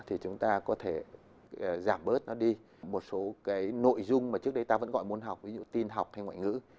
thì chúng ta có thể giảm bớt nó đi một số cái nội dung mà trước đây ta vẫn gọi môn học ví dụ tin học hay ngoại ngữ